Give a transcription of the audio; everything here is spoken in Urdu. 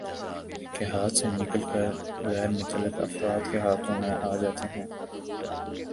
کے ہاتھ سے نکل کر غیر متعلق افراد کے ہاتھوں میں آجاتے ہیں